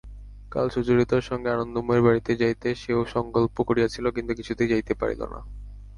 কাল সুচরিতার সঙ্গে আনন্দময়ীর বাড়িতে যাইতে সেও সংকল্প করিয়াছিল কিন্তু কিছুতেই যাইতে পারিল না।